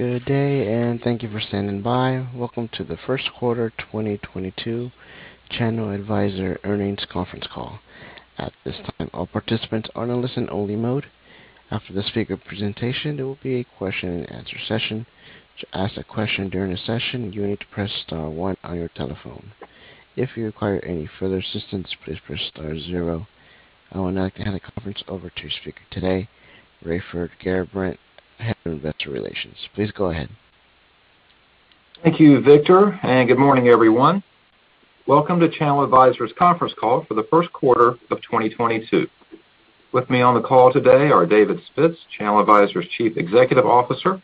Good day, and thank you for standing by. Welcome to the Q1 2022 ChannelAdvisor Earnings Conference Call. At this time, all participants are in a listen only mode. After the speaker presentation, there will be a question and answer session. To ask a question during the session, you need to press star one on your telephone. If you require any further assistance, please press star zero. I would now like to hand the conference over to speaker today, Raiford Garrabrant, Head of Investor Relations. Please go ahead. Thank you, Victor, and good morning, everyone. Welcome to ChannelAdvisor's conference call for the Q1 of 2022. With me on the call today are David Spitz, ChannelAdvisor's Chief Executive Officer,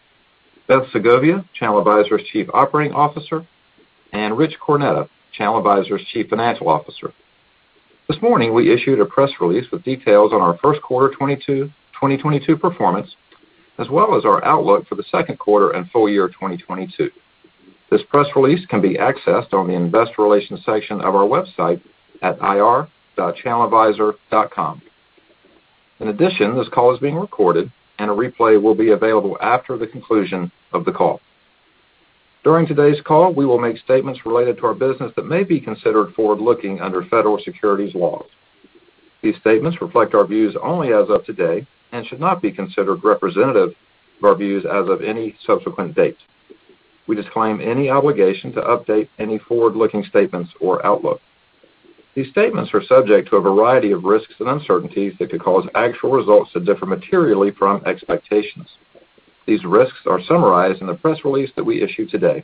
Beth Segovia, ChannelAdvisor's Chief Operating Officer, and Rich Cornetta, ChannelAdvisor's Chief Financial Officer. This morning, we issued a press release with details on our Q1 2022 performance, as well as our outlook for the Q2 and full year 2022. This press release can be accessed on the investor relations section of our website at ir.channeladvisor.com. In addition, this call is being recorded and a replay will be available after the conclusion of the call. During today's call, we will make statements related to our business that may be considered forward-looking under federal securities laws. These statements reflect our views only as of today and should not be considered representative of our views as of any subsequent date. We disclaim any obligation to update any forward-looking statements or outlook. These statements are subject to a variety of risks and uncertainties that could cause actual results to differ materially from expectations. These risks are summarized in the press release that we issued today.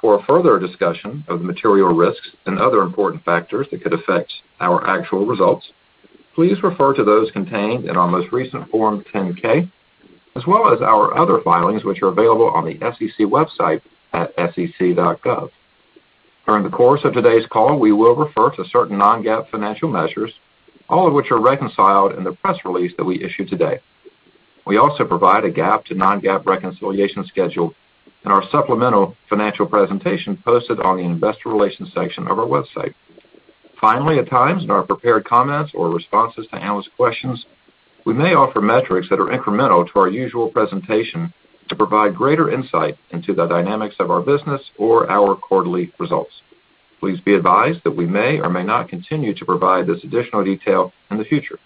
For a further discussion of material risks and other important factors that could affect our actual results, please refer to those contained in our most recent Form 10-K, as well as our other filings, which are available on the SEC website at sec.gov. During the course of today's call, we will refer to certain non-GAAP financial measures, all of which are reconciled in the press release that we issued today. We also provide a GAAP to non-GAAP reconciliation schedule in our supplemental financial presentation posted on the investor relations section of our website. Finally, at times, in our prepared comments or responses to analyst questions, we may offer metrics that are incremental to our usual presentation to provide greater insight into the dynamics of our business or our quarterly results. Please be advised that we may or may not continue to provide this additional detail in the future.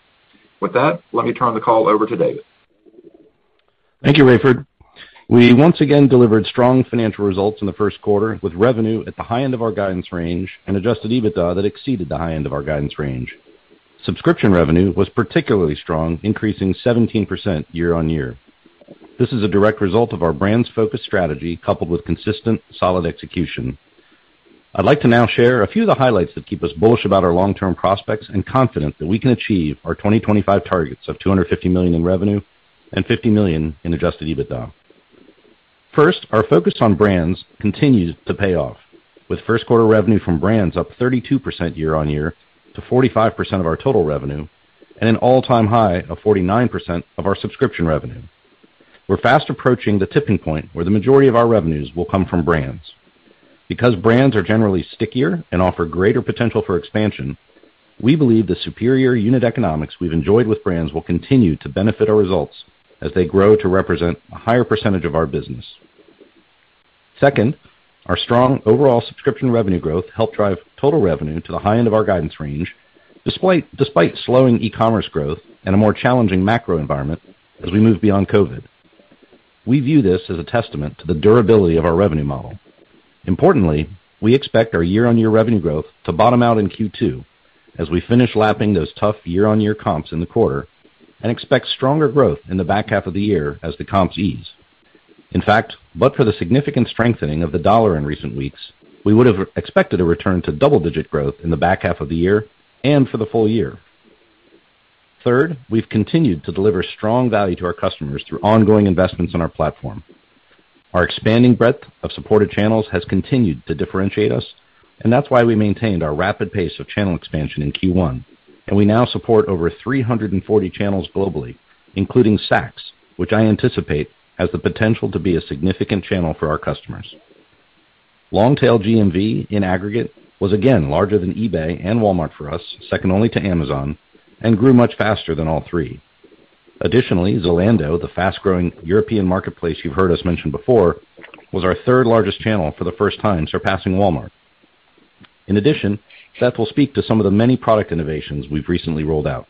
With that, let me turn the call over to David. Thank you, Raiford. We once again delivered strong financial results in the Q1, with revenue at the high end of our guidance range and adjusted EBITDA that exceeded the high end of our guidance range. Subscription revenue was particularly strong, increasing 17% year-on-year. This is a direct result of our brands focused strategy coupled with consistent, solid execution. I'd like to now share a few of the highlights that keep us bullish about our long-term prospects and confident that we can achieve our 2025 targets of $250 million in revenue and $50 million in adjusted EBITDA. First, our focus on brands continued to pay off, with Q1 revenue from brands up 32% year-on-year to 45% of our total revenue and an all-time high of 49% of our subscription revenue. We're fast approaching the tipping point where the majority of our revenues will come from brands. Because brands are generally stickier and offer greater potential for expansion, we believe the superior unit economics we've enjoyed with brands will continue to benefit our results as they grow to represent a higher percentage of our business. Second, our strong overall subscription revenue growth helped drive total revenue to the high end of our guidance range, despite slowing e-commerce growth and a more challenging macro environment as we move beyond COVID. We view this as a testament to the durability of our revenue model. Importantly, we expect our year-on-year revenue growth to bottom out in Q2 as we finish lapping those tough year-on-year comps in the quarter and expect stronger growth in the back half of the year as the comps ease. In fact, but for the significant strengthening of the dollar in recent weeks, we would have expected a return to double-digit growth in the back half of the year and for the full year. Third, we've continued to deliver strong value to our customers through ongoing investments in our platform. Our expanding breadth of supported channels has continued to differentiate us, and that's why we maintained our rapid pace of channel expansion in Q1, and we now support over 340 channels globally, including Saks, which I anticipate has the potential to be a significant channel for our customers. Long tail GMV in aggregate was again larger than eBay and Walmart for us, second only to Amazon, and grew much faster than all three. Additionally, Zalando, the fast-growing European marketplace you've heard us mention before, was our third-largest channel for the first time, surpassing Walmart. In addition, Beth will speak to some of the many product innovations we've recently rolled out.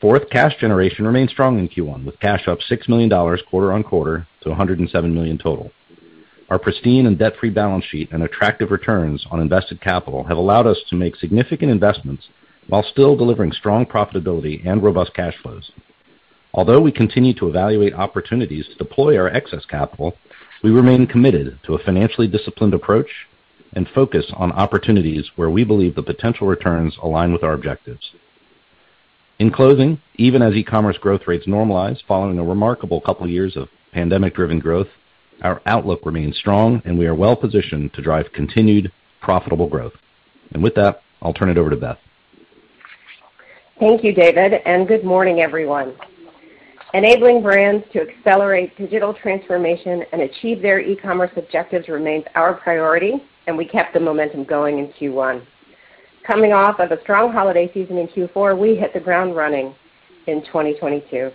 Fourth, cash generation remained strong in Q1, with cash up $6 million quarter on quarter to $107 million total. Our pristine and debt-free balance sheet and attractive returns on invested capital have allowed us to make significant investments while still delivering strong profitability and robust cash flows. Although we continue to evaluate opportunities to deploy our excess capital, we remain committed to a financially disciplined approach and focus on opportunities where we believe the potential returns align with our objectives. In closing, even as e-commerce growth rates normalize following a remarkable couple of years of pandemic-driven growth, our outlook remains strong, and we are well positioned to drive continued profitable growth. With that, I'll turn it over to Beth. Thank you, David, and good morning, everyone. Enabling brands to accelerate digital transformation and achieve their e-commerce objectives remains our priority, and we kept the momentum going in Q1. Coming off of a strong holiday season in Q4, we hit the ground running in 2022.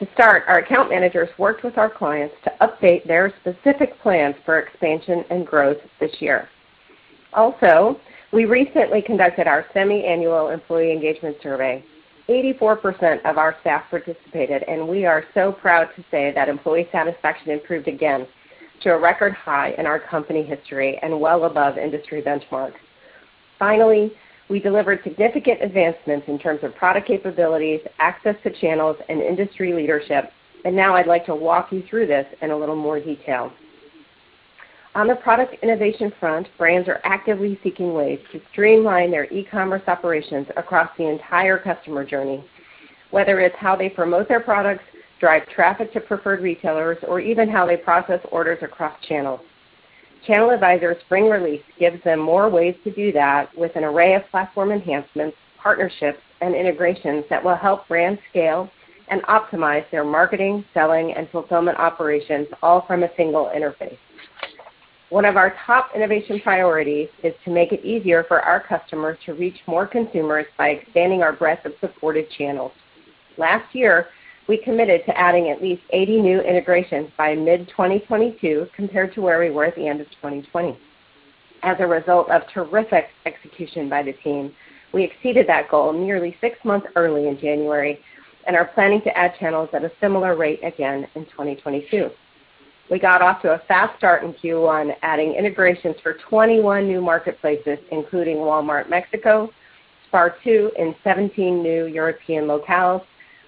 To start, our account managers worked with our clients to update their specific plans for expansion and growth this year. Also, we recently conducted our semi-annual employee engagement survey. 84% of our staff participated, and we are so proud to say that employee satisfaction improved again to a record high in our company history and well above industry benchmarks. Finally, we delivered significant advancements in terms of product capabilities, access to channels, and industry leadership. Now I'd like to walk you through this in a little more detail. On the product innovation front, brands are actively seeking ways to streamline their e-commerce operations across the entire customer journey, whether it's how they promote their products, drive traffic to preferred retailers, or even how they process orders across channels. ChannelAdvisor's spring release gives them more ways to do that with an array of platform enhancements, partnerships, and integrations that will help brands scale and optimize their marketing, selling, and fulfillment operations all from a single interface. One of our top innovation priorities is to make it easier for our customers to reach more consumers by expanding our breadth of supported channels. Last year, we committed to adding at least 80 new integrations by mid-2022 compared to where we were at the end of 2020. As a result of terrific execution by the team, we exceeded that goal nearly six months early in January and are planning to add channels at a similar rate again in 2022. We got off to a fast start in Q1, adding integrations for 21 new marketplaces, including Walmart Mexico, Spartoo in 17 new European locales,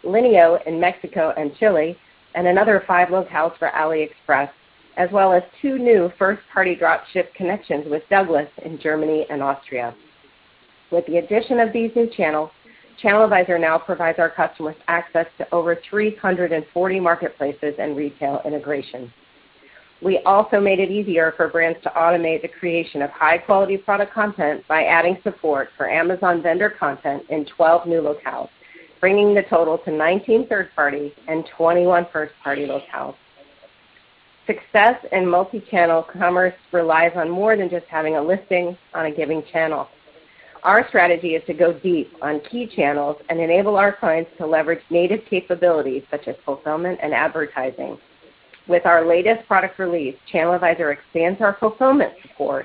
Linio in Mexico and Chile, and another five locales for AliExpress, as well as two new first-party dropship connections with Douglas in Germany and Austria. With the addition of these new channels, ChannelAdvisor now provides our customers access to over 340 marketplaces and retail integrations. We also made it easier for brands to automate the creation of high-quality product content by adding support for Amazon Vendor content in 12 new locales, bringing the total to 19 third parties and 21 first-party locales. Success in multi-channel commerce relies on more than just having a listing on a given channel. Our strategy is to go deep on key channels and enable our clients to leverage native capabilities such as fulfillment and advertising. With our latest product release, ChannelAdvisor expands our fulfillment support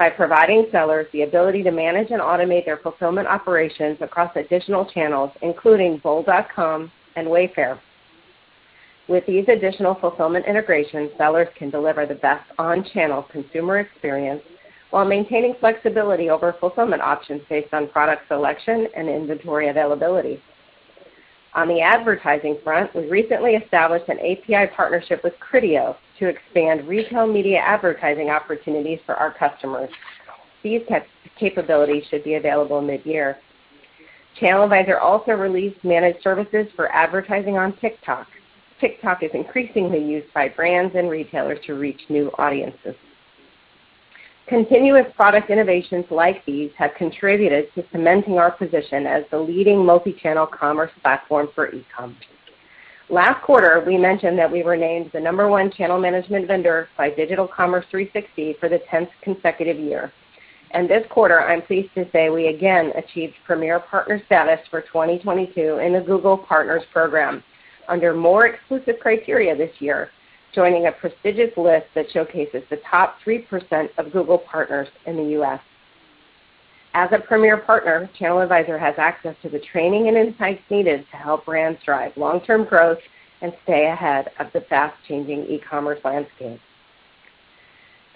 by providing sellers the ability to manage and automate their fulfillment operations across additional channels, including bol.com and Wayfair. With these additional fulfillment integrations, sellers can deliver the best on-channel consumer experience while maintaining flexibility over fulfillment options based on product selection and inventory availability. On the advertising front, we recently established an API partnership with Criteo to expand retail media advertising opportunities for our customers. These capabilities should be available mid-year. ChannelAdvisor also released managed services for advertising on TikTok. TikTok is increasingly used by brands and retailers to reach new audiences. Continuous product innovations like these have contributed to cementing our position as the leading multi-channel commerce platform for e-com. Last quarter, we mentioned that we were named the number one channel management vendor by Digital Commerce 360 for the tenth consecutive year. This quarter, I'm pleased to say we again achieved Premier Partner status for 2022 in the Google Partners program under more exclusive criteria this year, joining a prestigious list that showcases the top 3% of Google partners in the U.S. As a Premier Partner, ChannelAdvisor has access to the training and insights needed to help brands drive long-term growth and stay ahead of the fast-changing e-commerce landscape.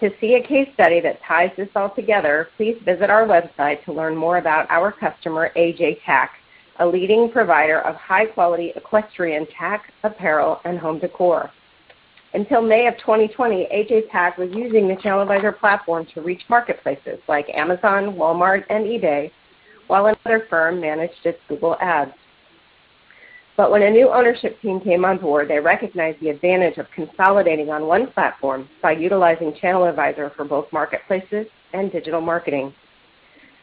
To see a case study that ties this all together, please visit our website to learn more about our customer, AJ Tack, a leading provider of high-quality equestrian tack, apparel, and home decor. Until May of 2020, AJ Tack was using the ChannelAdvisor platform to reach marketplaces like Amazon, Walmart, and eBay, while another firm managed its Google Ads. when a new ownership team came on board, they recognized the advantage of consolidating on one platform by utilizing ChannelAdvisor for both marketplaces and digital marketing.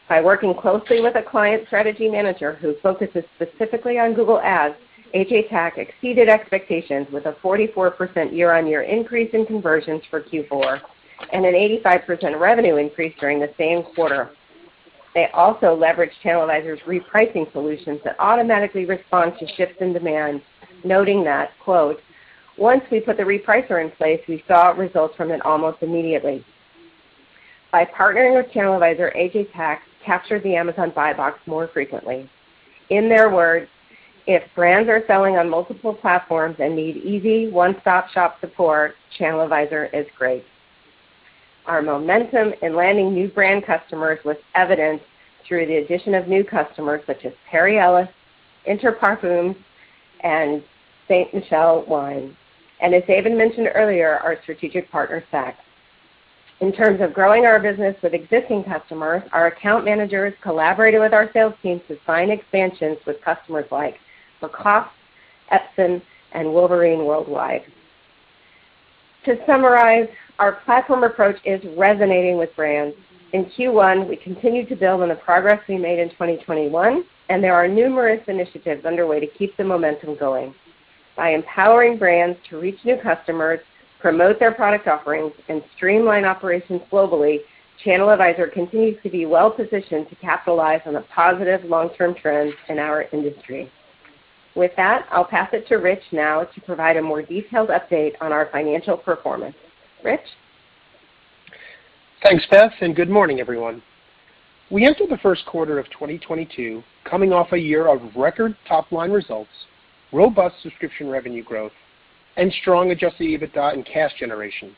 By working closely with a client strategy manager who focuses specifically on Google Ads, AJ Tack exceeded expectations with a 44% year-on-year increase in conversions for Q4 and an 85% revenue increase during the same quarter. They also leveraged ChannelAdvisor's repricing solutions that automatically respond to shifts in demand, noting that, quote, "Once we put the repricer in place, we saw results from it almost immediately." By partnering with ChannelAdvisor, AJ Tack captured the Amazon Buy Box more frequently. In their words, "If brands are selling on multiple platforms and need easy, one-stop-shop support, ChannelAdvisor is great." Our momentum in landing new brand customers was evidenced through the addition of new customers such as Perry Ellis, Inter Parfums, and Ste. Michelle Wine Estates, and as David mentioned earlier, our strategic partner, Saks. In terms of growing our business with existing customers, our account managers collaborated with our sales teams to sign expansions with customers like Lacoste, Epson, and Wolverine Worldwide. To summarize, our platform approach is resonating with brands. In Q1, we continued to build on the progress we made in 2021, and there are numerous initiatives underway to keep the momentum going. By empowering brands to reach new customers, promote their product offerings, and streamline operations globally, ChannelAdvisor continues to be well-positioned to capitalize on the positive long-term trends in our industry. With that, I'll pass it to Rich now to provide a more detailed update on our financial performance. Rich? Thanks, Beth, and good morning, everyone. We entered the Q1 of 2022 coming off a year of record top-line results, robust subscription revenue growth, and strong adjusted EBITDA and cash generation,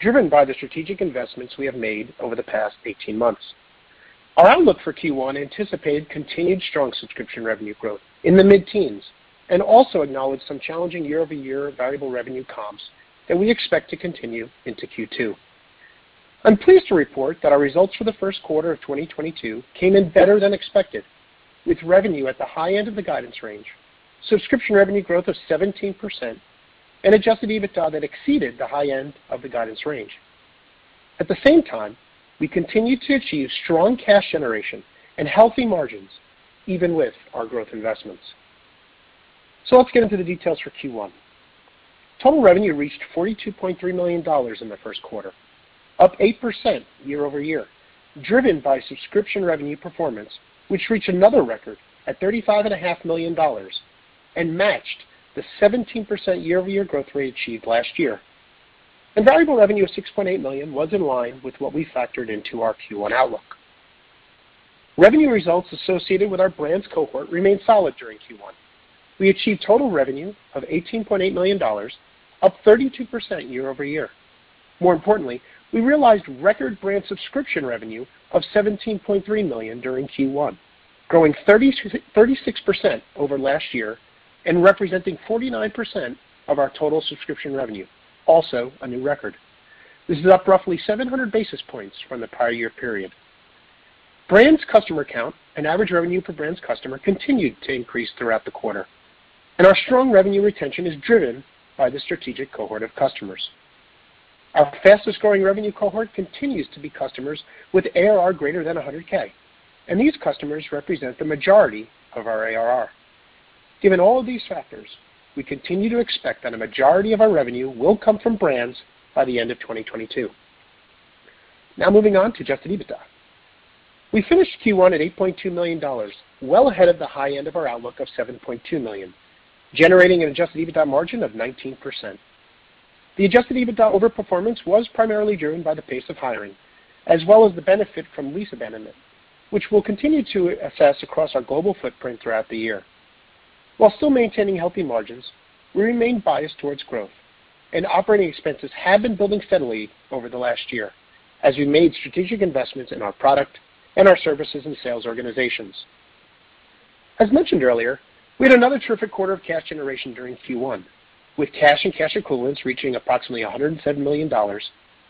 driven by the strategic investments we have made over the past 18 months. Our outlook for Q1 anticipated continued strong subscription revenue growth in the mid-teens and also acknowledged some challenging year-over-year variable revenue comps that we expect to continue into Q2. I'm pleased to report that our results for the Q1 of 2022 came in better than expected, with revenue at the high end of the guidance range, subscription revenue growth of 17%, and adjusted EBITDA that exceeded the high end of the guidance range. At the same time, we continued to achieve strong cash generation and healthy margins, even with our growth investments. Let's get into the details for Q1. Total revenue reached $42.3 million in the Q1, up 8% year-over-year, driven by subscription revenue performance, which reached another record at $35.5 million and matched the 17% year-over-year growth rate achieved last year. Variable revenue of $6.8 million was in line with what we factored into our Q1 outlook. Revenue results associated with our brands cohort remained solid during Q1. We achieved total revenue of $18.8 million, up 32% year-over-year. More importantly, we realized record brand subscription revenue of $17.3 million during Q1, growing 36% over last year and representing 49% of our total subscription revenue, also a new record. This is up roughly 700 basis points from the prior year period. Brand customer count and average revenue per brand customer continued to increase throughout the quarter, and our strong revenue retention is driven by the strategic cohort of customers. Our fastest-growing revenue cohort continues to be customers with ARR greater than 100K, and these customers represent the majority of our ARR. Given all of these factors, we continue to expect that a majority of our revenue will come from brands by the end of 2022. Now moving on to Adjusted EBITDA. We finished Q1 at $8.2 million, well ahead of the high end of our outlook of $7.2 million, generating an Adjusted EBITDA margin of 19%. The Adjusted EBITDA overperformance was primarily driven by the pace of hiring, as well as the benefit from lease abandonment, which we'll continue to assess across our global footprint throughout the year. While still maintaining healthy margins, we remain biased towards growth, and operating expenses have been building steadily over the last year as we made strategic investments in our product and our services and sales organizations. As mentioned earlier, we had another terrific quarter of cash generation during Q1, with cash and cash equivalents reaching approximately $107 million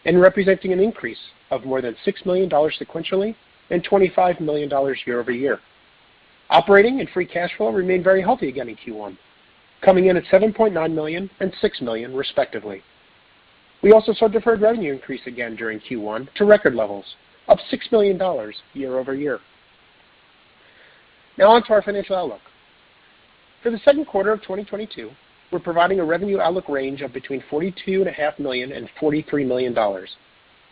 and representing an increase of more than $6 million sequentially and $25 million year-over-year. Operating and free cash flow remained very healthy again in Q1, coming in at $7.9 million and $6 million respectively. We also saw deferred revenue increase again during Q1 to record levels of $6 million year-over-year. Now on to our financial outlook. For the Q2 of 2022, we're providing a revenue outlook range of between $42 and a half million and $43 million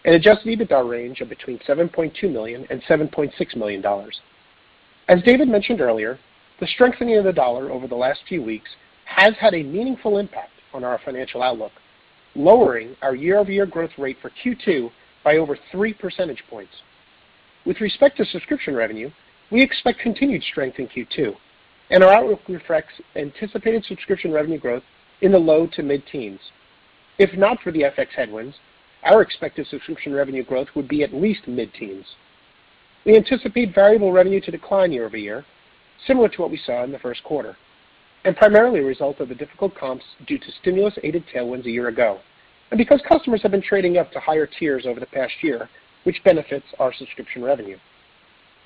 and adjusted EBITDA range of between $7.2 million and $7.6 million. As David mentioned earlier, the strengthening of the dollar over the last few weeks has had a meaningful impact on our financial outlook, lowering our year-over-year growth rate for Q2 by over 3 percentage points. With respect to subscription revenue, we expect continued strength in Q2, and our outlook reflects anticipated subscription revenue growth in the low to mid-teens. If not for the FX headwinds, our expected subscription revenue growth would be at least mid-teens. We anticipate variable revenue to decline year-over-year, similar to what we saw in the Q1, and primarily a result of the difficult comps due to stimulus-aided tailwinds a year ago, and because customers have been trading up to higher tiers over the past year, which benefits our subscription revenue.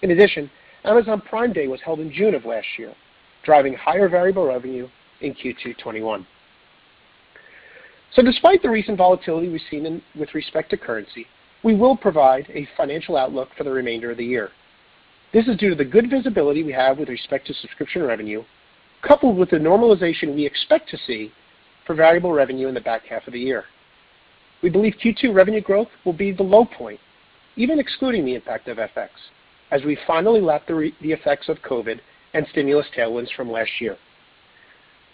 In addition, Amazon Prime Day was held in June of last year, driving higher variable revenue in Q2 2021. Despite the recent volatility we've seen in with respect to currency, we will provide a financial outlook for the remainder of the year. This is due to the good visibility we have with respect to subscription revenue, coupled with the normalization we expect to see for variable revenue in the back half of the year. We believe Q2 revenue growth will be the low point, even excluding the impact of FX, as we finally lap the effects of COVID and stimulus tailwinds from last year.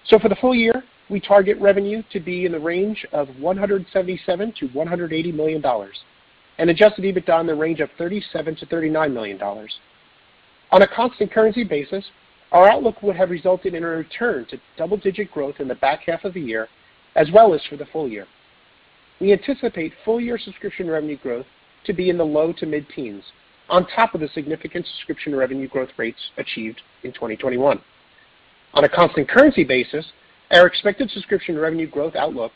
For the full year, we target revenue to be in the range of $177 million-$180 million and adjusted EBITDA in the range of $37 million-$39 million. On a constant currency basis, our outlook would have resulted in a return to double-digit growth in the back half of the year as well as for the full year. We anticipate full year subscription revenue growth to be in the low- to mid-teens% on top of the significant subscription revenue growth rates achieved in 2021. On a constant currency basis, our expected subscription revenue growth outlook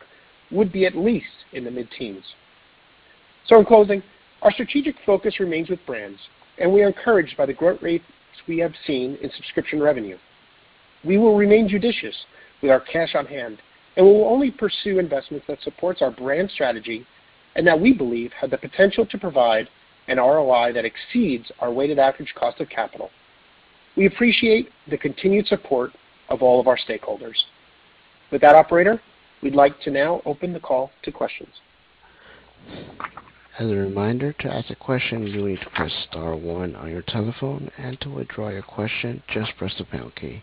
would be at least in the mid-teens%. In closing, our strategic focus remains with brands, and we are encouraged by the growth rates we have seen in subscription revenue. We will remain judicious with our cash on hand, and we will only pursue investments that supports our brand strategy and that we believe have the potential to provide an ROI that exceeds our weighted average cost of capital. We appreciate the continued support of all of our stakeholders. With that, operator, we'd like to now open the call to questions. As a reminder, to ask a question, you need to press star one on your telephone, and to withdraw your question, just press the pound key.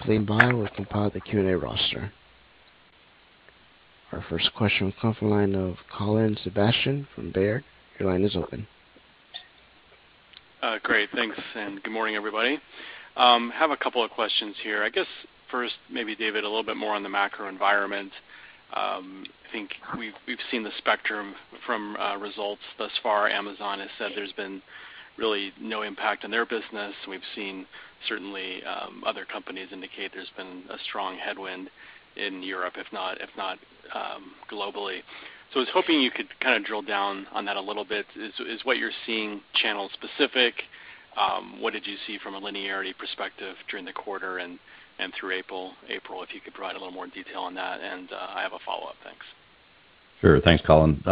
Please bear with while we compile the Q&A roster. Our first question will come from the line of Colin Sebastian from Baird. Your line is open. Great. Thanks, and good morning, everybody. Have a couple of questions here. I guess first, maybe David, a little bit more on the macro environment. I think we've seen the spectrum from results thus far. Amazon has said there's been really no impact on their business. We've seen certainly other companies indicate there's been a strong headwind in Europe, if not globally. I was hoping you could kinda drill down on that a little bit. Is what you're seeing channel specific? What did you see from a linearity perspective during the quarter and through April? If you could provide a little more detail on that, and I have a follow-up. Thanks. Sure. Thanks, Colin.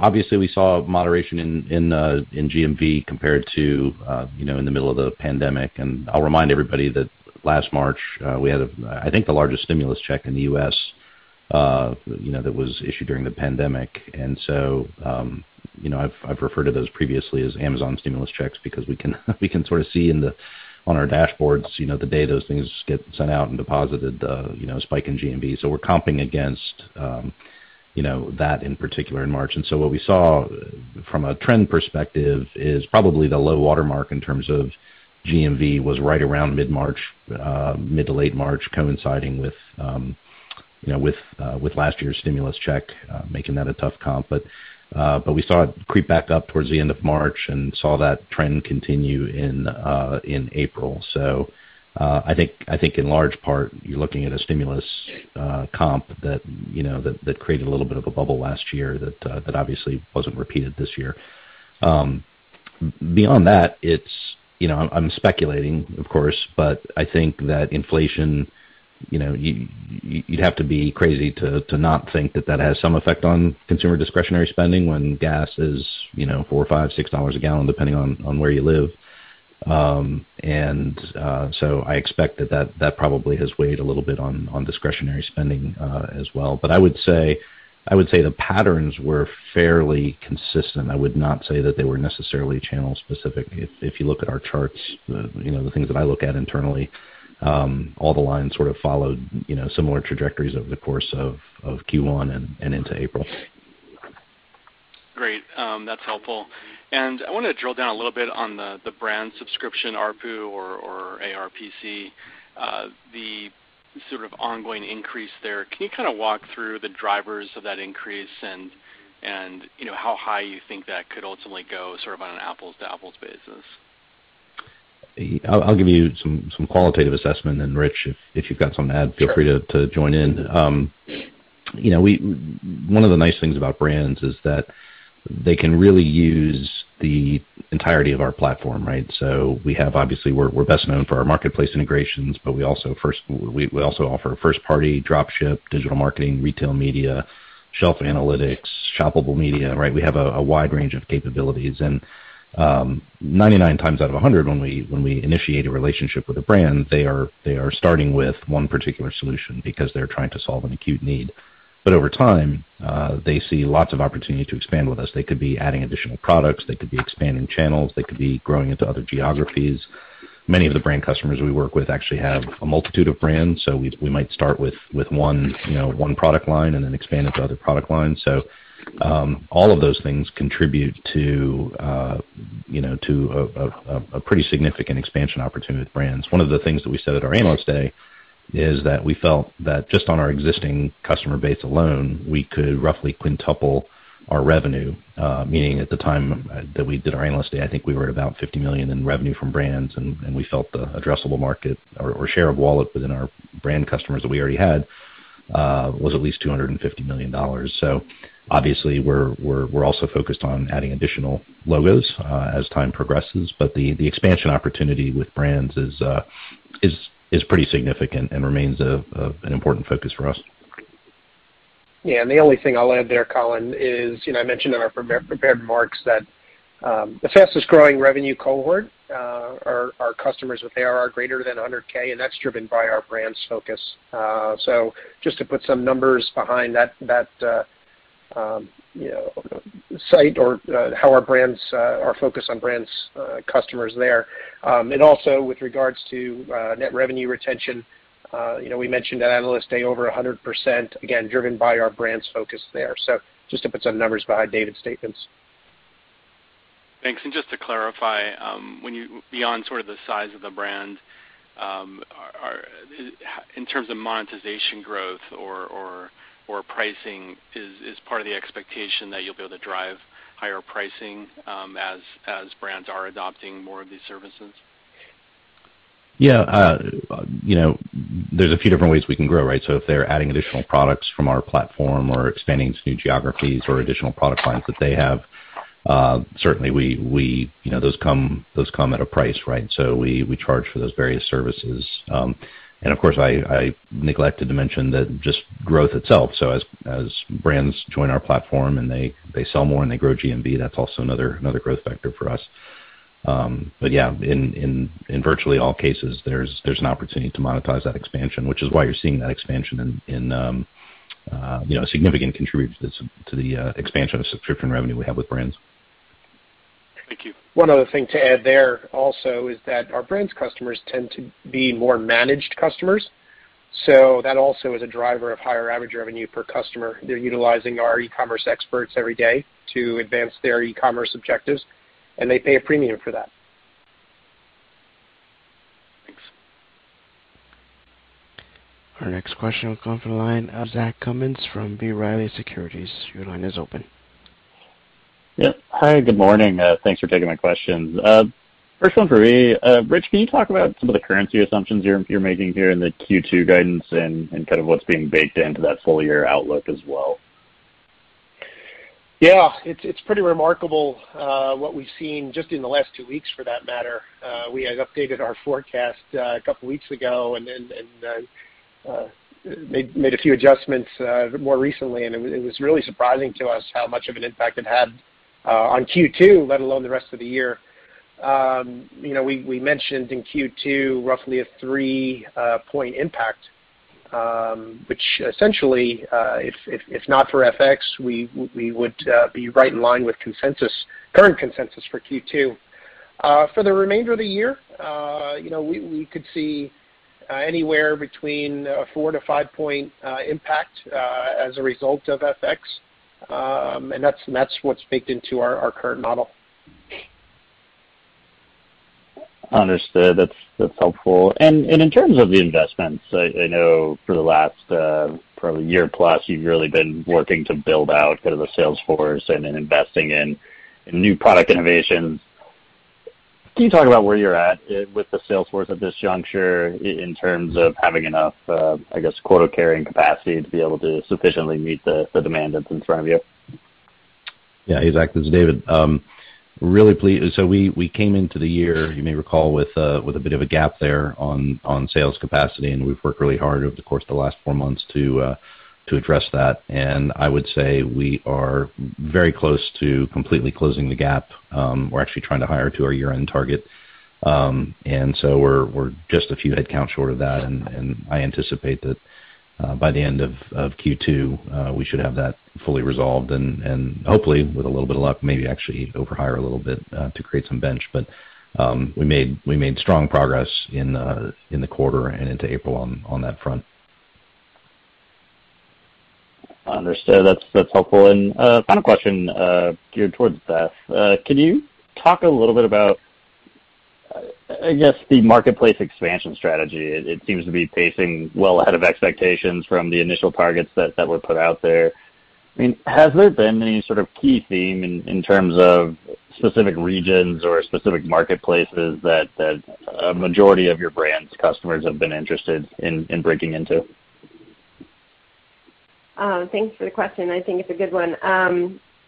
Obviously we saw moderation in GMV compared to you know in the middle of the pandemic. I'll remind everybody that last March we had I think the largest stimulus check in the U.S. you know that was issued during the pandemic. You know I've referred to those previously as Amazon stimulus checks because we can sort of see on our dashboards you know the day those things get sent out and deposited you know spike in GMV. We're comping against you know that in particular in March. What we saw from a trend perspective is probably the low water mark in terms of GMV was right around mid-March, mid to late March, coinciding with, you know, with last year's stimulus check, making that a tough comp. But we saw it creep back up towards the end of March and saw that trend continue in April. I think in large part, you're looking at a stimulus comp that, you know, that created a little bit of a bubble last year that obviously wasn't repeated this year. Beyond that, it's You know, I'm speculating, of course, but I think that inflation, you know, you'd have to be crazy to not think that that has some effect on consumer discretionary spending when gas is, you know, $4, $5, $6 a gallon, depending on where you live. I expect that that probably has weighed a little bit on discretionary spending as well. I would say the patterns were fairly consistent. I would not say that they were necessarily channel specific. If you look at our charts, you know, the things that I look at internally, all the lines sort of followed, you know, similar trajectories over the course of Q1 and into April. Great. That's helpful. I wanna drill down a little bit on the brand subscription ARPU or ARPC, the sort of ongoing increase there. Can you kinda walk through the drivers of that increase and, you know, how high you think that could ultimately go, sort of on an apples-to-apples basis? I'll give you some qualitative assessment, and Rich, if you've got something to add. Sure. Feel free to join in. You know, one of the nice things about brands is that they can really use the entirety of our platform, right? Obviously, we're best known for our marketplace integrations, but we also offer first-party drop ship, digital marketing, retail media, shelf analytics, Shoppable Media, right? We have a wide range of capabilities. 99 times out of 100, when we initiate a relationship with a brand, they are starting with one particular solution because they're trying to solve an acute need. Over time, they see lots of opportunity to expand with us. They could be adding additional products, they could be expanding channels, they could be growing into other geographies. Many of the brand customers we work with actually have a multitude of brands, so we might start with one, you know, one product line and then expand into other product lines. All of those things contribute to, you know, to a pretty significant expansion opportunity with brands. One of the things that we said at our Analyst Day is that we felt that just on our existing customer base alone, we could roughly quintuple our revenue. Meaning at the time that we did our Analyst Day, I think we were at about $50 million in revenue from brands, and we felt the addressable market or share of wallet within our brand customers that we already had was at least $250 million. Obviously we're also focused on adding additional logos as time progresses, but the expansion opportunity with brands is pretty significant and remains an important focus for us. The only thing I'll add there, Colin, is, you know, I mentioned in our prepared remarks that the fastest growing revenue cohort are customers with ARR greater than $100K, and that's driven by our brands focus. Just to put some numbers behind that, you know, how our focus on brands, customers there. Also with regards to net revenue retention, you know, we mentioned at Analyst Day over 100%, again, driven by our brands focus there. Just to put some numbers behind David's statements. Thanks. Just to clarify, beyond sort of the size of the brand, in terms of monetization growth or pricing, is part of the expectation that you'll be able to drive higher pricing, as brands are adopting more of these services? Yeah. You know, there's a few different ways we can grow, right? If they're adding additional products from our platform or expanding to new geographies or additional product lines that they have, certainly we, you know, those come at a price, right? We charge for those various services. Of course, I neglected to mention that just growth itself. As brands join our platform and they sell more and they grow GMV, that's also another growth factor for us. Yeah, in virtually all cases, there's an opportunity to monetize that expansion, which is why you're seeing that expansion in, you know, a significant contributor to the expansion of subscription revenue we have with brands. Thank you. One other thing to add there also is that our brands' customers tend to be more managed customers. That also is a driver of higher average revenue per customer. They're utilizing our e-commerce experts every day to advance their e-commerce objectives, and they pay a premium for that. Thanks. Our next question will come from the line of Zach Cummins from B. Riley Securities. Your line is open. Yeah. Hi, good morning. Thanks for taking my questions. First one for me. Rich, can you talk about some of the currency assumptions you're making here in the Q2 guidance and kind of what's being baked into that full year outlook as well? Yeah. It's pretty remarkable what we've seen just in the last 2 weeks for that matter. We had updated our forecast a couple weeks ago and made a few adjustments more recently, and it was really surprising to us how much of an impact it had on Q2, let alone the rest of the year. You know, we mentioned in Q2 roughly a 3% impact, which essentially, if not for FX, we would be right in line with consensus, current consensus for Q2. For the remainder of the year, you know, we could see anywhere between 4%-5% impact as a result of FX. That's what's baked into our current model. Understood. That's helpful. In terms of the investments, I know for the last probably year plus, you've really been working to build out kind of the sales force and then investing in new product innovations. Can you talk about where you're at with the sales force at this juncture in terms of having enough I guess quota carrying capacity to be able to sufficiently meet the demand that's in front of you? Yeah, hey Zach, this is David. We came into the year, you may recall, with a bit of a gap there on sales capacity, and we've worked really hard over the course of the last four months to address that. I would say we are very close to completely closing the gap. We're actually trying to hire to our year-end target. We're just a few headcounts short of that, and I anticipate that by the end of Q2 we should have that fully resolved and hopefully with a little bit of luck, maybe actually overhire a little bit to create some bench. We made strong progress in the quarter and into April on that front. Understood. That's helpful. Final question, geared towards Beth. Can you talk a little bit about, I guess, the marketplace expansion strategy? It seems to be pacing well ahead of expectations from the initial targets that were put out there. I mean, has there been any sort of key theme in terms of specific regions or specific marketplaces that a majority of your brands customers have been interested in breaking into? Thanks for the question. I think it's a good one.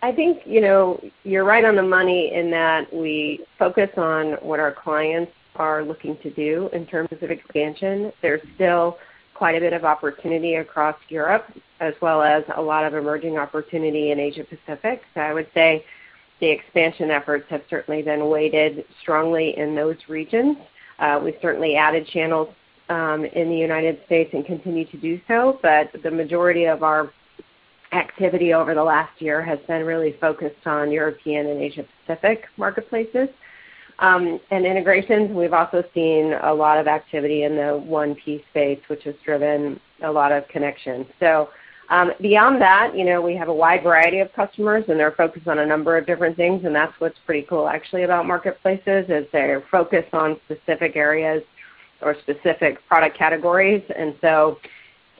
I think, you know, you're right on the money in that we focus on what our clients are looking to do in terms of expansion. There's still quite a bit of opportunity across Europe as well as a lot of emerging opportunity in Asia Pacific. I would say the expansion efforts have certainly been weighted strongly in those regions. We've certainly added channels in the United States and continue to do so, but the majority of our activity over the last year has been really focused on European and Asia Pacific marketplaces. Integrations, we've also seen a lot of activity in the 1P space, which has driven a lot of connections. Beyond that, you know, we have a wide variety of customers, and they're focused on a number of different things, and that's what's pretty cool actually about marketplaces, is they're focused on specific areas or specific product categories.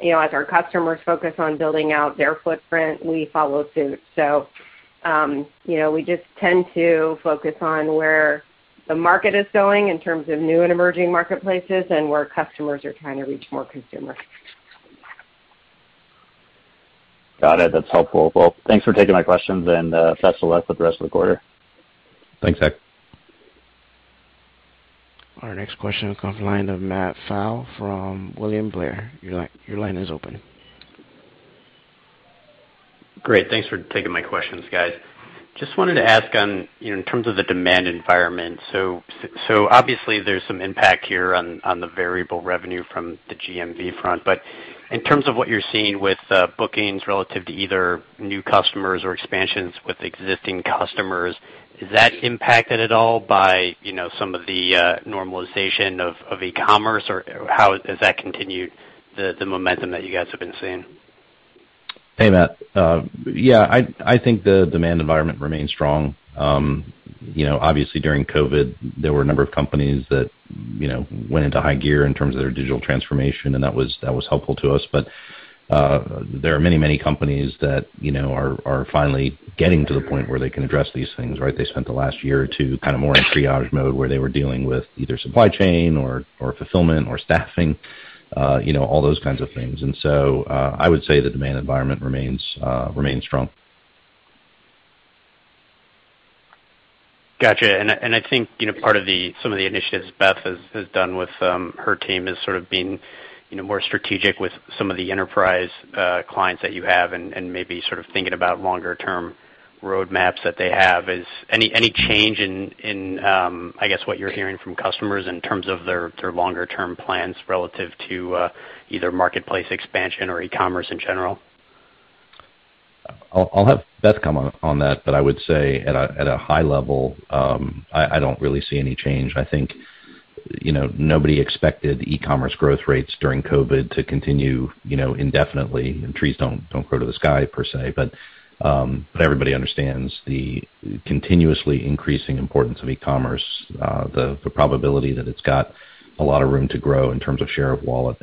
You know, we just tend to focus on where the market is going in terms of new and emerging marketplaces and where customers are trying to reach more consumers. Got it. That's helpful. Well, thanks for taking my questions, and best of luck with the rest of the quarter. Thanks, Zach. Our next question comes from the line of Matt Pfau with William Blair. Your line is open. Great. Thanks for taking my questions, guys. Just wanted to ask on, you know, in terms of the demand environment. Obviously there's some impact here on the variable revenue from the GMV front, but in terms of what you're seeing with bookings relative to either new customers or expansions with existing customers, is that impacted at all by, you know, some of the normalization of e-commerce, or how has that continued the momentum that you guys have been seeing? Hey, Matt. Yeah, I think the demand environment remains strong. You know, obviously during COVID, there were a number of companies that you know, went into high gear in terms of their digital transformation, and that was helpful to us. There are many companies that you know, are finally getting to the point where they can address these things, right? They spent the last year or two kind of more in triage mode, where they were dealing with either supply chain or fulfillment or staffing. You know, all those kinds of things. I would say the demand environment remains strong. Got you. I think, you know, part of some of the initiatives Beth has done with her team is sort of being, you know, more strategic with some of the enterprise clients that you have and maybe sort of thinking about longer-term roadmaps that they have. Is any change in, I guess, what you're hearing from customers in terms of their longer-term plans relative to either marketplace expansion or e-commerce in general? I'll have Beth come on that, but I would say at a high level, I don't really see any change. I think, you know, nobody expected e-commerce growth rates during COVID to continue, you know, indefinitely. Trees don't grow to the sky per se. Everybody understands the continuously increasing importance of e-commerce, the probability that it's got a lot of room to grow in terms of share of wallet.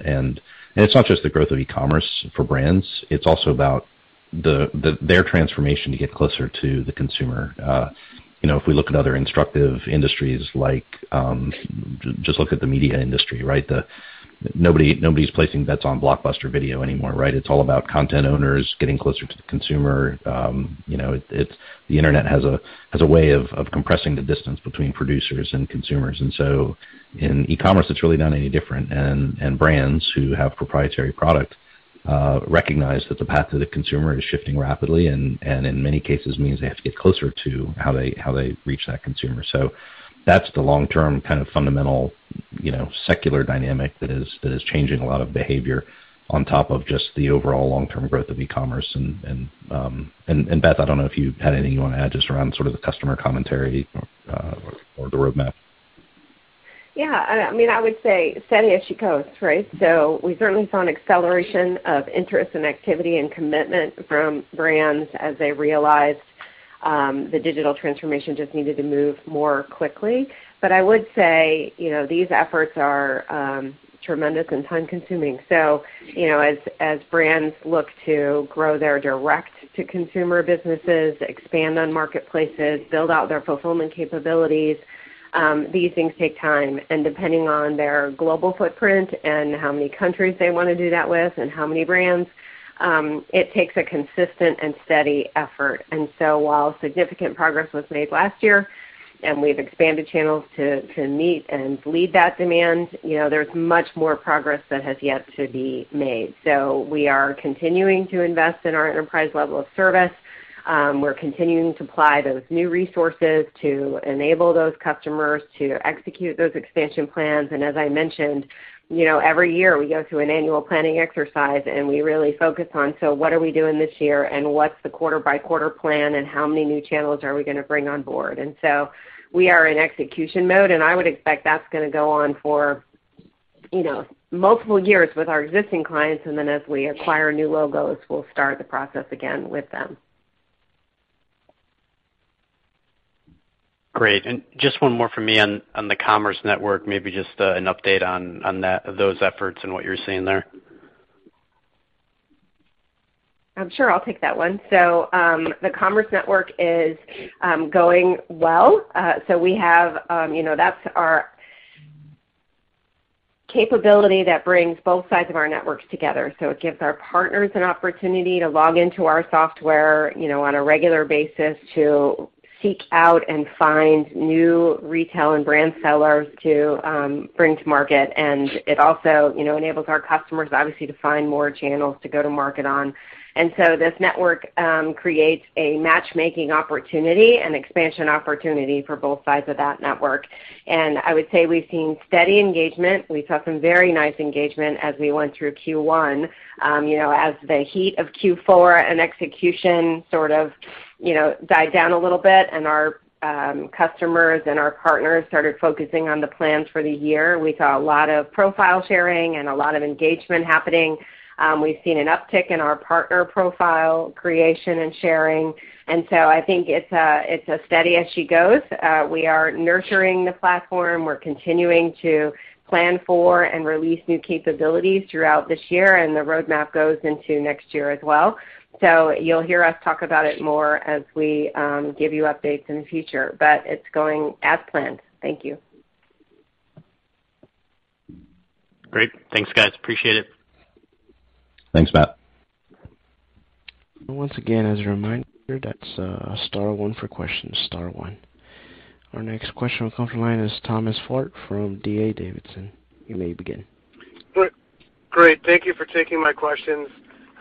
It's not just the growth of e-commerce for brands, it's also about their transformation to get closer to the consumer. You know, if we look at other instructive industries like, just look at the media industry, right? Nobody's placing bets on Blockbuster Video anymore, right? It's all about content owners getting closer to the consumer. You know, it's The Internet has a way of compressing the distance between producers and consumers. In e-commerce, it's really not any different. Brands who have proprietary product recognize that the path to the consumer is shifting rapidly and in many cases means they have to get closer to how they reach that consumer. That's the long-term kind of fundamental, you know, secular dynamic that is changing a lot of behavior on top of just the overall long-term growth of e-commerce. Beth, I don't know if you had anything you wanna add just around sort of the customer commentary or the roadmap. Yeah. I mean, I would say steady as she goes, right? We certainly saw an acceleration of interest and activity and commitment from brands as they realized the digital transformation just needed to move more quickly. I would say, you know, these efforts are tremendous and time-consuming. You know, as brands look to grow their direct-to-consumer businesses, expand on marketplaces, build out their fulfillment capabilities, these things take time. And depending on their global footprint and how many countries they wanna do that with and how many brands, it takes a consistent and steady effort. While significant progress was made last year, and we've expanded channels to meet and lead that demand, you know, there's much more progress that has yet to be made. We are continuing to invest in our enterprise level of service. We're continuing to apply those new resources to enable those customers to execute those expansion plans. As I mentioned, you know, every year we go through an annual planning exercise, and we really focus on, so what are we doing this year, and what's the quarter-by-quarter plan, and how many new channels are we gonna bring on board? We are in execution mode, and I would expect that's gonna go on for, you know, multiple years with our existing clients, and then as we acquire new logos, we'll start the process again with them. Great. Just one more from me on the Commerce Network, maybe just an update on those efforts and what you're seeing there. Sure. I'll take that one. The Commerce Network is going well. We have. You know, that's our capability that brings both sides of our networks together. It gives our partners an opportunity to log into our software, you know, on a regular basis to seek out and find new retail and brand sellers to bring to market. It also, you know, enables our customers, obviously, to find more channels to go to market on. This network creates a matchmaking opportunity and expansion opportunity for both sides of that network. I would say we've seen steady engagement. We saw some very nice engagement as we went through Q1. You know, as the heat of Q4 and execution sort of, you know, died down a little bit and our customers and our partners started focusing on the plans for the year, we saw a lot of profile sharing and a lot of engagement happening. We've seen an uptick in our partner profile creation and sharing. I think it's a steady as she goes. We are nurturing the platform. We're continuing to plan for and release new capabilities throughout this year, and the roadmap goes into next year as well. You'll hear us talk about it more as we give you updates in the future. It's going as planned. Thank you. Great. Thanks, guys. Appreciate it. Thanks, Matt. Once again, as a reminder, that's star one for questions, star one. Our next question will come from the line of Tom Forte from D.A. Davidson. You may begin. Great. Thank you for taking my questions.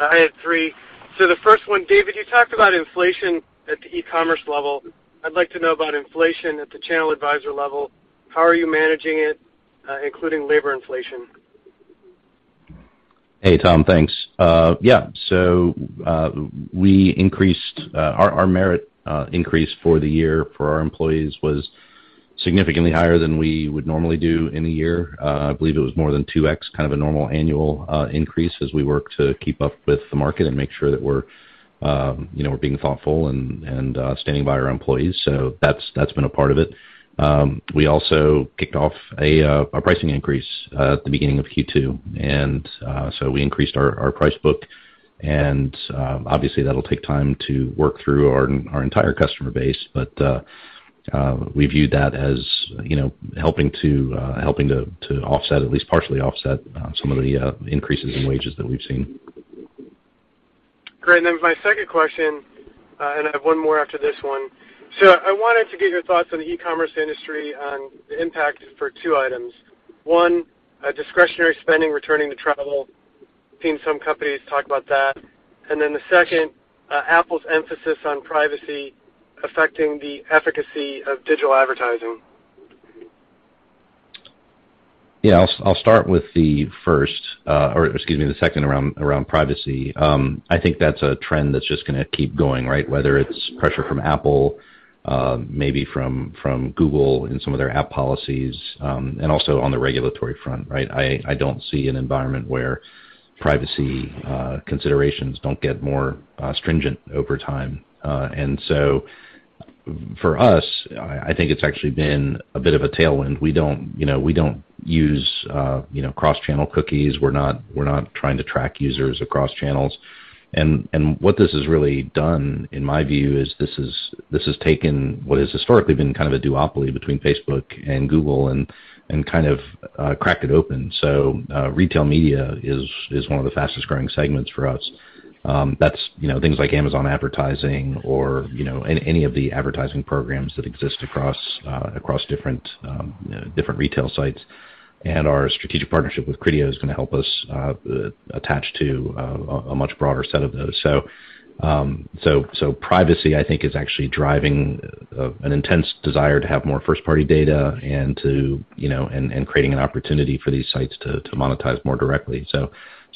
I have three. The first one, David, you talked about inflation at the e-commerce level. I'd like to know about inflation at the ChannelAdvisor level. How are you managing it, including labor inflation? Hey, Tom. Thanks. Yeah. We increased our merit increase for the year for our employees was significantly higher than we would normally do in a year. I believe it was more than 2x kind of a normal annual increase as we work to keep up with the market and make sure that we're you know we're being thoughtful and standing by our employees. That's been a part of it. We also kicked off a pricing increase at the beginning of Q2. We increased our price book. Obviously, that'll take time to work through our entire customer base. We view that as, you know, helping to offset, at least partially offset, some of the increases in wages that we've seen. Great. My second question, and I have one more after this one. I wanted to get your thoughts on the e-commerce industry on the impact for two items. One, discretionary spending returning to travel. Seen some companies talk about that. The second, Apple's emphasis on privacy affecting the efficacy of digital advertising. Yeah. I'll start with the second around privacy. I think that's a trend that's just gonna keep going, right? Whether it's pressure from Apple, maybe from Google and some of their app policies, and also on the regulatory front, right? I don't see an environment where privacy considerations don't get more stringent over time. For us, I think it's actually been a bit of a tailwind. We don't, you know, we don't use, you know, cross-channel cookies. We're not trying to track users across channels. What this has really done, in my view, is this has taken what has historically been kind of a duopoly between Facebook and Google and kind of cracked it open. Retail media is one of the fastest-growing segments for us. That's, you know, things like Amazon advertising or, you know, any of the advertising programs that exist across different retail sites. Our strategic partnership with Criteo is gonna help us attach to a much broader set of those. Privacy, I think is actually driving an intense desire to have more first-party data and creating an opportunity for these sites to monetize more directly.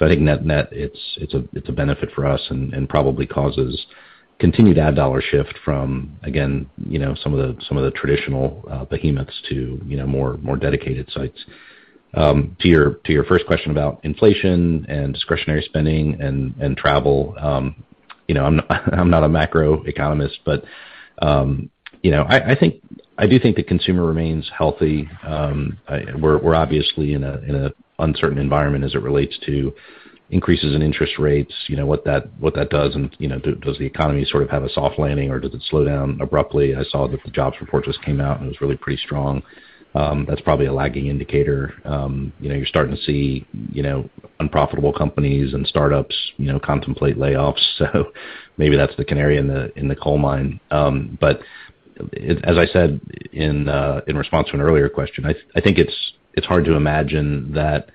I think net-net, it's a benefit for us and probably causes continued ad dollar shift from, again, you know, some of the traditional behemoths to more dedicated sites. To your first question about inflation and discretionary spending and travel, you know, I'm not a macro economist, but, you know, I do think the consumer remains healthy. We're obviously in an uncertain environment as it relates to increases in interest rates, you know, what that does, and, you know, does the economy sort of have a soft landing or does it slow down abruptly? I saw that the jobs report just came out, and it was really pretty strong. That's probably a lagging indicator. You know, you're starting to see unprofitable companies and startups contemplate layoffs, so maybe that's the canary in the coal mine. As I said in response to an earlier question, I think it's hard to imagine that,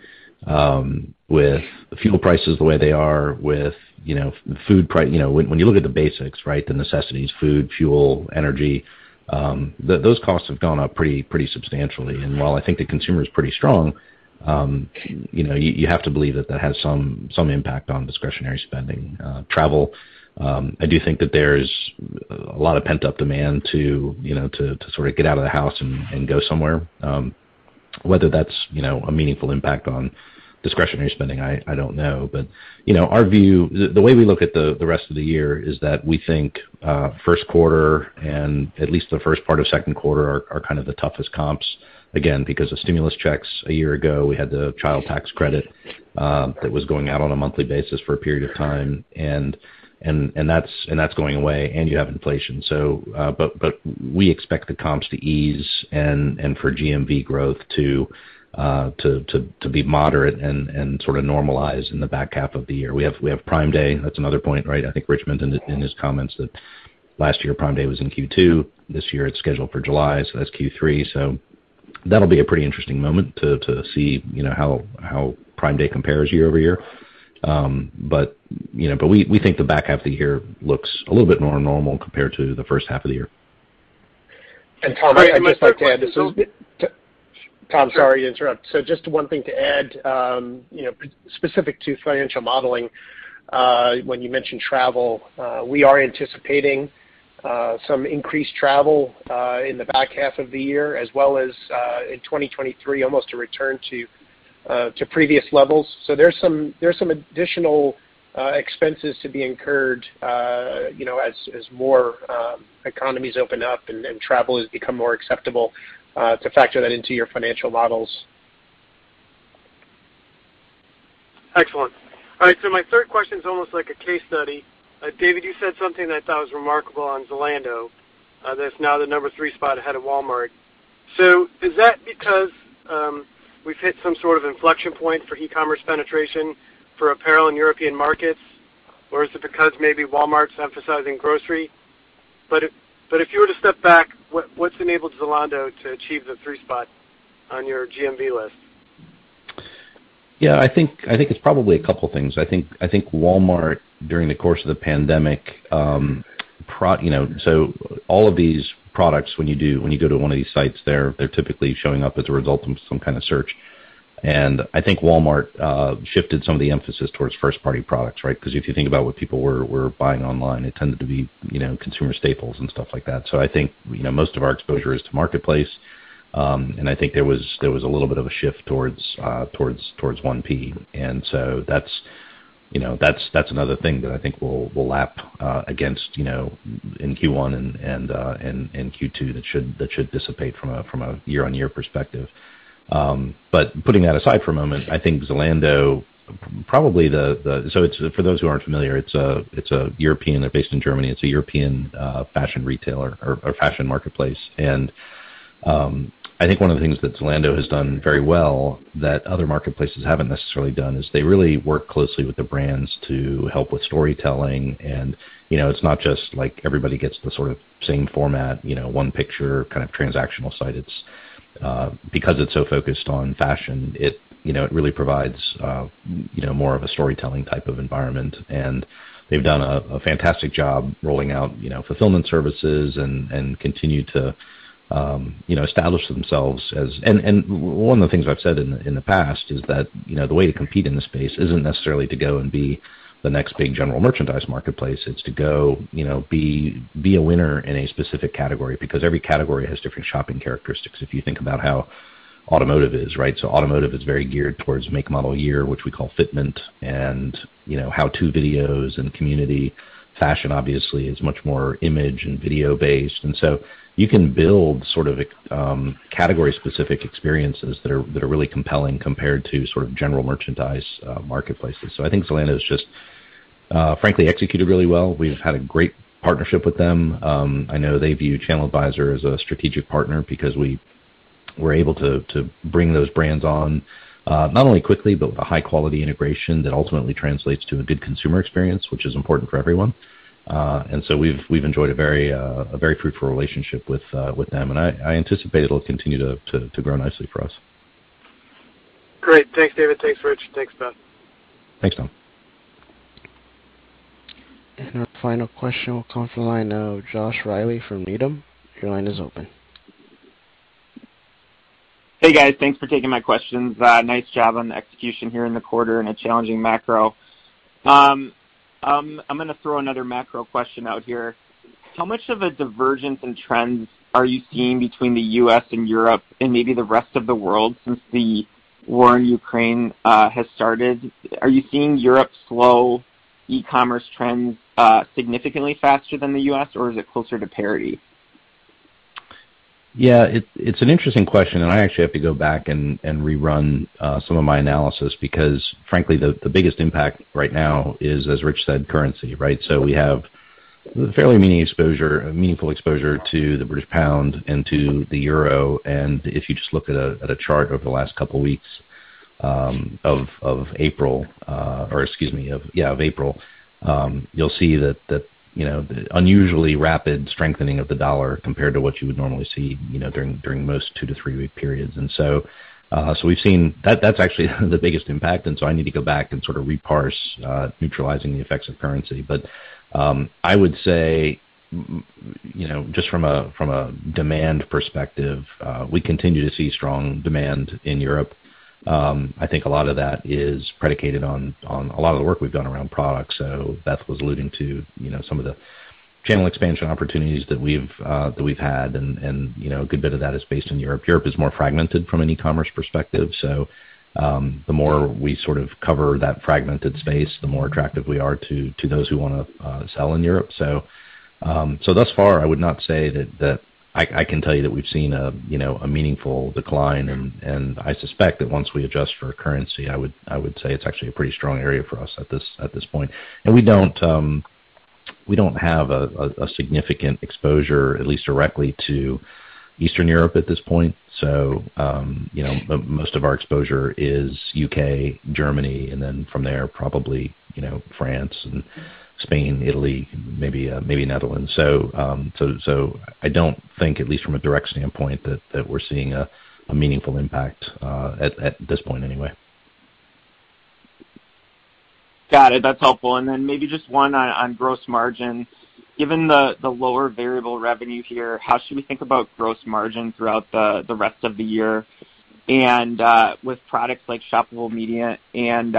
with fuel prices the way they are, with you know, when you look at the basics, right, the necessities, food, fuel, energy, those costs have gone up pretty substantially. While I think the consumer is pretty strong, you know, you have to believe that has some impact on discretionary spending. Travel, I do think that there's a lot of pent-up demand to you know, to sort of get out of the house and go somewhere. Whether that's you know, a meaningful impact on discretionary spending, I don't know. You know, our view. The way we look at the rest of the year is that we think Q1 and at least the first part of Q2 are kind of the toughest comps, again, because of stimulus checks. A year ago, we had the Child Tax Credit that was going out on a monthly basis for a period of time, and that's going away, and you have inflation. We expect the comps to ease and for GMV growth to be moderate and sort of normalize in the back half of the year. We have Prime Day. That's another point, right? I think Rich in his comments that last year Prime Day was in Q2. This year it's scheduled for July, so that's Q3. That'll be a pretty interesting moment to see, you know, how Prime Day compares year-over-year. You know, we think the back half of the year looks a little bit more normal compared to the first half of the year. Tom, I'd just like to add. My third question, Bill. Tom, sorry to interrupt. Just one thing to add, you know, specific to financial modeling, when you mentioned travel, we are anticipating some increased travel in the back half of the year as well as in 2023, almost a return to previous levels. There's some additional expenses to be incurred, you know, as more economies open up and travel has become more acceptable, to factor that into your financial models. Excellent. All right. My third question is almost like a case study. David, you said something that I thought was remarkable on Zalando, that's now the number three spot ahead of Walmart. Is that because we've hit some sort of inflection point for e-commerce penetration for apparel in European markets, or is it because maybe Walmart's emphasizing grocery? If you were to step back, what's enabled Zalando to achieve the three spot on your GMV list? Yeah, I think it's probably a couple things. I think Walmart, during the course of the pandemic, you know, so all of these products, when you go to one of these sites, they're typically showing up as a result of some kind of search. I think Walmart shifted some of the emphasis towards first-party products, right? 'Cause if you think about what people were buying online, it tended to be, you know, consumer staples and stuff like that. I think, you know, most of our exposure is to marketplace, and I think there was a little bit of a shift towards 1P. That's another thing that I think we'll lap against, you know, in Q1 and Q2 that should dissipate from a year-on-year perspective. Putting that aside for a moment, I think Zalando. For those who aren't familiar, it's a European. They're based in Germany. It's a European fashion retailer or fashion marketplace. I think one of the things that Zalando has done very well that other marketplaces haven't necessarily done is they really work closely with the brands to help with storytelling. You know, it's not just like everybody gets the sort of same format, you know, one picture kind of transactional site. It's because it's so focused on fashion, it, you know, it really provides, you know, more of a storytelling type of environment. They've done a fantastic job rolling out, you know, fulfillment services and continue to, you know, establish themselves as. One of the things I've said in the past is that, you know, the way to compete in the space isn't necessarily to go and be the next big general merchandise marketplace. It's to go, you know, be a winner in a specific category because every category has different shopping characteristics. If you think about how automotive is, right? Automotive is very geared towards make, model, year, which we call fitment, and, you know, how-to videos and community. Fashion obviously is much more image and video-based, and so you can build sort of a category-specific experiences that are really compelling compared to sort of general merchandise marketplaces. I think Zalando's just frankly executed really well. We've had a great partnership with them. I know they view ChannelAdvisor as a strategic partner because we were able to bring those brands on not only quickly, but with a high quality integration that ultimately translates to a good consumer experience, which is important for everyone. We've enjoyed a very fruitful relationship with them, and I anticipate it'll continue to grow nicely for us. Great. Thanks, David. Thanks, Rich. Thanks, Beth. Thanks, Tom. Our final question will come from the line of Josh Reilly from Needham. Your line is open. Hey, guys. Thanks for taking my questions. Nice job on the execution here in the quarter in a challenging macro. I'm gonna throw another macro question out here. How much of a divergence in trends are you seeing between the U.S. and Europe and maybe the rest of the world since the war in Ukraine has started? Are you seeing Europe's slow e-commerce trends significantly faster than the U.S., or is it closer to parity? Yeah. It's an interesting question, and I actually have to go back and rerun some of my analysis because frankly, the biggest impact right now is, as Rich said, currency, right? We have fairly meaningful exposure to the British pound and to the euro. If you just look at a chart over the last couple weeks of April, you'll see that, you know, unusually rapid strengthening of the dollar compared to what you would normally see, you know, during most two- to three-week periods. We've seen that that's actually the biggest impact, and I need to go back and sort of reparse, neutralizing the effects of currency. I would say, you know, just from a demand perspective, we continue to see strong demand in Europe. I think a lot of that is predicated on a lot of the work we've done around product. Beth was alluding to, you know, some of the channel expansion opportunities that we've had and, you know, a good bit of that is based in Europe. Europe is more fragmented from an e-commerce perspective, so the more we sort of cover that fragmented space, the more attractive we are to those who wanna sell in Europe. Thus far, I would not say that. I can tell you that we've seen a meaningful decline and I suspect that once we adjust for currency, I would say it's actually a pretty strong area for us at this point. We don't have a significant exposure, at least directly, to Eastern Europe at this point. Most of our exposure is U.K., Germany, and then from there, probably, you know, France and Spain, Italy, maybe Netherlands. I don't think, at least from a direct standpoint, that we're seeing a meaningful impact at this point anyway. Got it. That's helpful. Then maybe just one on gross margin. Given the lower variable revenue here, how should we think about gross margin throughout the rest of the year? With products like Shoppable Media and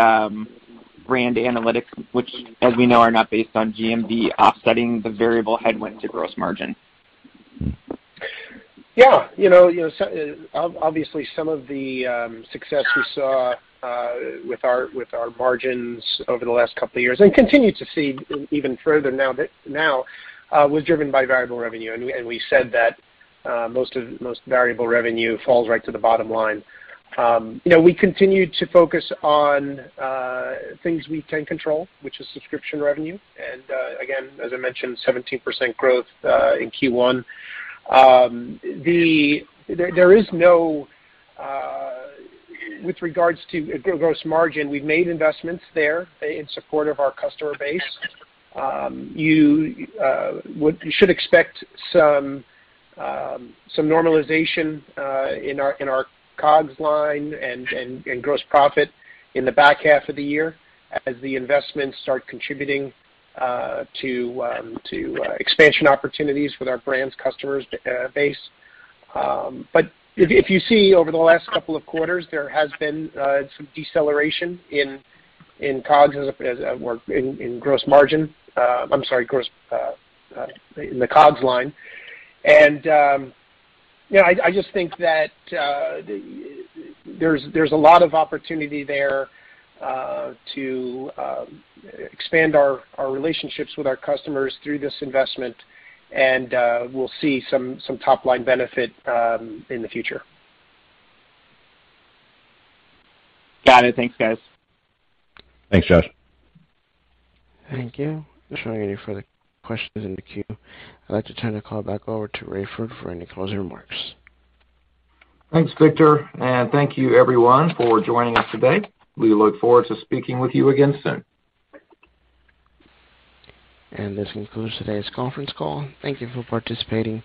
Brand Analytics, which as we know, are not based on GMV offsetting the variable headwind to gross margin. You know, obviously some of the success we saw with our margins over the last couple of years and continue to see even further now was driven by variable revenue, and we said that most variable revenue falls right to the bottom line. You know, we continue to focus on things we can control, which is subscription revenue. Again, as I mentioned, 17% growth in Q1. There is no with regards to gross margin, we've made investments there in support of our customer base. You should expect some normalization in our COGS line and gross profit in the back half of the year as the investments start contributing to expansion opportunities with our brands customers base. But if you see over the last couple of quarters, there has been some deceleration in COGS or in gross margin. I'm sorry, gross in the COGS line. You know, I just think that there's a lot of opportunity there to expand our relationships with our customers through this investment, and we'll see some top line benefit in the future. Got it. Thanks, guys. Thanks, Josh. Thank you. There's not any further questions in the queue. I'd like to turn the call back over to Raiford for any closing remarks. Thanks, Victor. Thank you everyone for joining us today. We look forward to speaking with you again soon. This concludes today's conference call. Thank you for participating.